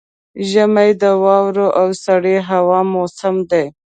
ژمی د واورو او سړې هوا موسم دی.